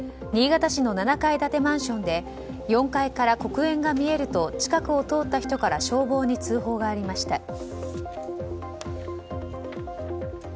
新潟市の７階建てマンションで４階から黒煙が見えると近くを通った人から消防に通報がありました。